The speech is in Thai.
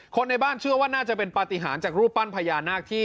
ในบ้านเชื่อว่าน่าจะเป็นปฏิหารจากรูปปั้นพญานาคที่